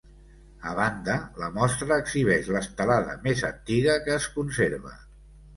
A banda, la mostra exhibeix l’estelada més antiga que es conserva.